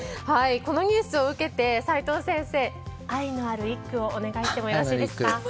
このニュースを受けて齋藤先生愛のある一句をお願いしてもよろしいですか。